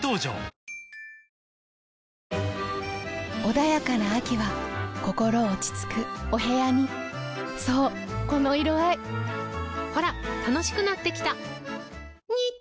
穏やかな秋は心落ち着くお部屋にそうこの色合いほら楽しくなってきた！